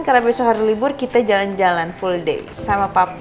karena besok hari libur kita jalan jalan full day sama papa